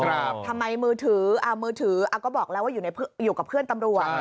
ทำไมมือถืออ่ามือถือก็บอกแล้วว่าอยู่กับเพื่อนตำรวจ